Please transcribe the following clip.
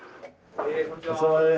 お疲れさまです。